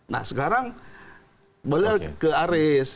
nah sekarang balik ke arief